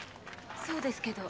そうですけど。